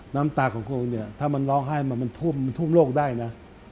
น้ำตาของคนถ้ามันร้องไห้มันทุ่มโรคได้นะ